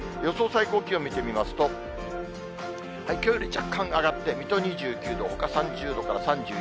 最高気温見てみますと、きょうより若干上がって、水戸２９度、ほか３０度から３１度。